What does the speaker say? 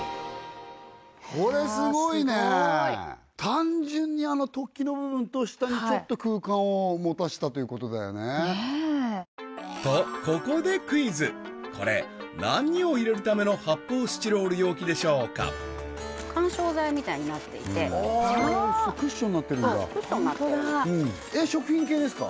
単純にあの突起の部分と下にちょっと空間をもたせたということだよねとここでクイズこれ何を入れるための発泡スチロール容器でしょうか緩衝材みたいになっていてああクッションになってるんだそうクッションになってる食品系ですか？